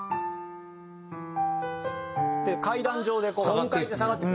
階段状で音階で下がっていく。